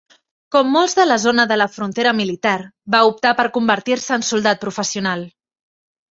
Com molts de la zona de la frontera militar, va optar per convertir-se en soldat professional.